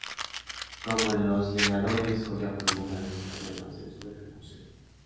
Como en "Los leñadores", Goya obtuvo grandes problemas en su ejecución.